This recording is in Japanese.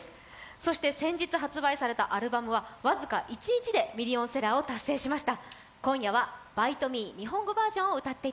そして先日発売されたアルバムは僅か一日でミリオンセラーを達成しました。